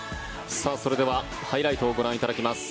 それではハイライトをご覧いただきます。